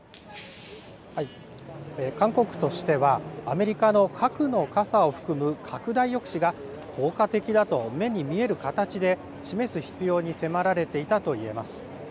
韓国としては、アメリカの核の傘を含む拡大抑止が効果的だと目に見える形で示す必要に迫られていたといえます。